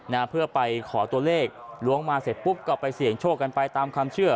นะฮะเพื่อไปขอตัวเลขล้วงมาเสร็จปุ๊บก็ไปเสี่ยงโชคกันไปตามความเชื่อ